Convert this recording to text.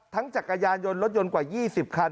ทั้งจากกระยานยนต์รถยนต์กว่า๒๐คัน